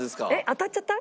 当たっちゃった？